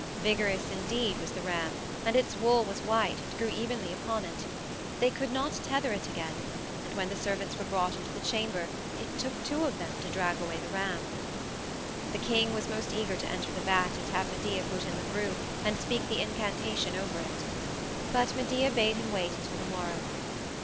Vigorous indeed was the ram, and its wool was white and grew evenly upon it. They could not tether it again, and when the servants were brought into the chamber it took two of them to drag away the ram. The king was most eager to enter the vat and have Medea put in the brew and speak the incantation over it. But Medea bade him wait until the morrow.